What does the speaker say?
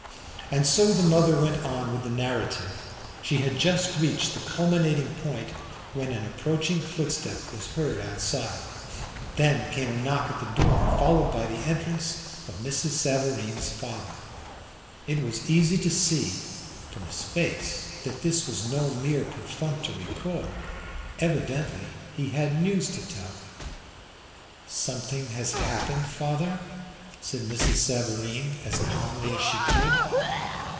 And so the mother went on with the narrative. She had just reached the culminating point when an approaching footstep was heard outside. Then came a knock at the door, followed by the entrance of Mrs. Savareen's father. It was easy to see from his face that this was no mere perfunctory call. Evidently he had news to tell. "Something has happened, father," said Mrs. Savareen, as calmly as she could.